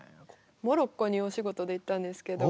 モロッコにお仕事で行ったんですけど。